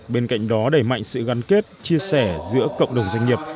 bên cạnh đó đẩy mạnh sự gắn kết chia sẻ giữa cộng đồng doanh nghiệp